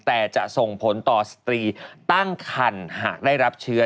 แต่จะส่งผลต่อสตรีตั้งคันหากได้รับเชื้อ